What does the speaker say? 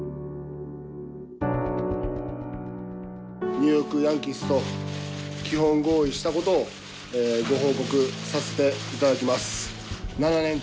ニューヨーク・ヤンキースと基本合意したことをご報告させていただきます。